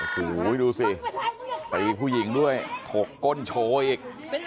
หูยดูสิไอ้ผู้หญิงด้วยโขกก้นโชว์อีก